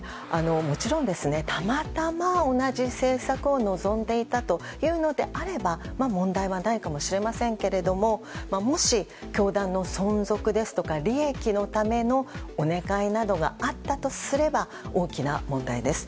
もちろん、たまたま同じ政策を望んでいたというのであれば問題はないかもしれませんがもし、教団の存続ですとか利益のためのお願いなどがあったとすれば大きな問題です。